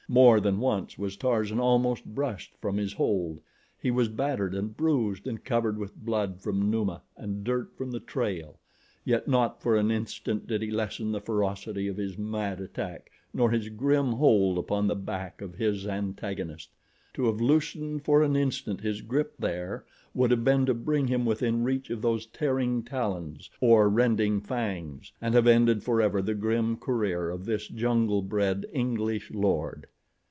More than once was Tarzan almost brushed from his hold. He was battered and bruised and covered with blood from Numa and dirt from the trail, yet not for an instant did he lessen the ferocity of his mad attack nor his grim hold upon the back of his antagonist. To have loosened for an instant his grip there, would have been to bring him within reach of those tearing talons or rending fangs, and have ended forever the grim career of this jungle bred English lord.